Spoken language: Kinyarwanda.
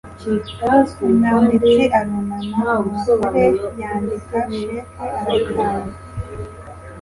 Umwanditsi arunama umugore yandika cheque arayitanga